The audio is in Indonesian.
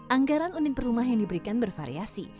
anggaran unit perumah yang diberikan bervariasi